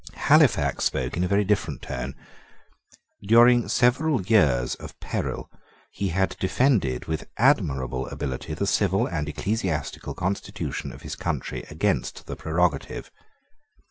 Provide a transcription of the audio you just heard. Halifax spoke in a very different tone. During several years of peril he had defended with admirable ability the civil and ecclesiastical constitution of his country against the prerogative.